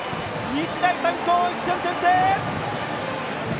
日大三高、１点先制！